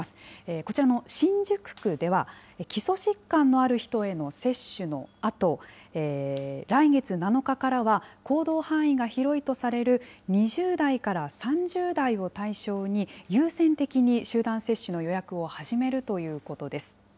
こちらの新宿区では、基礎疾患のある人への接種のあと、来月７日からは行動範囲が広いとされる２０代から３０代を対象に、優先的に集団接種の予約を始めるということです。